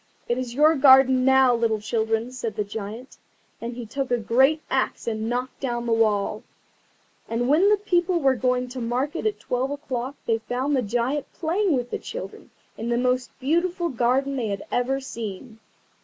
"It is your garden now, little children," said the Giant, and he took a great axe and knocked down the wall. And when the people were going to market at twelve o'clock they found the Giant playing with the children in the most beautiful garden they had ever seen.